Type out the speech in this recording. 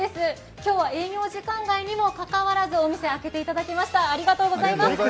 今日は営業時間外にもかかわらずお店を開けていただきました。